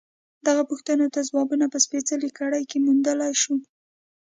دغو پوښتنو ته ځوابونه په سپېڅلې کړۍ کې موندلای شو.